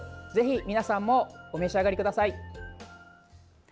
ぜひ皆さんもお召し上がりください。